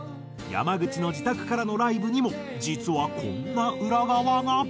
山口の自宅からのライブにも実はこんな裏側が。